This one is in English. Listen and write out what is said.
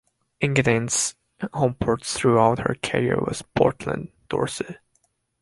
"Engadine"'s homeport throughout her career was Portland, Dorset.